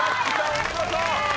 お見事！